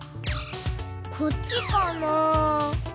こっちかな？